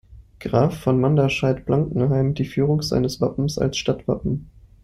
Graf von Manderscheid-Blankenheim die Führung seines Wappens als Stadtwappen.